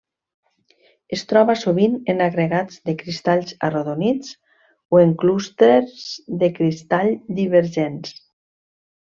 Es troba sovint en agregats de cristalls arrodonits o en clústers de cristall divergents.